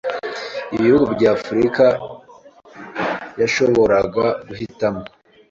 ibihugu bya Afurika yashoboraga guhitamo